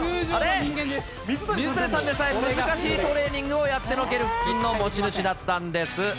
水谷さんでさえ難しいトレーニングをやってのける腹筋の持ち主だったんです。